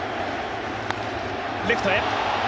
レフトへ。